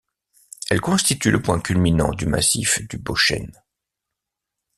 Elle constitue le point culminant du massif du Bochaine.